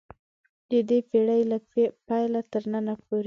د دې پېړۍ له پیله تر ننه پورې ده.